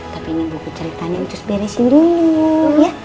tapi ini buku ceritanya cus beresin dulu ya